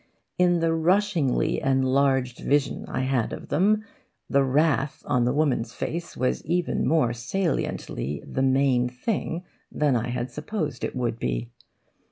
In the rushingly enlarged vision I had of them, the wrath on the woman's face was even more saliently the main thing than I had supposed it would be.